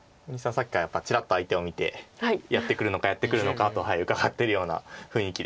さっきからやっぱりちらっと相手を見てやってくるのかやってくるのかとうかがってるような雰囲気です。